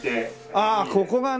ああここがね！